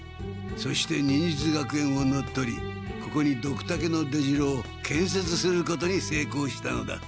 そして忍術学園を乗っ取りここにドクタケの出城をけんせつすることにせいこうしたのだ。